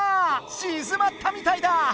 しずまったみたいだ！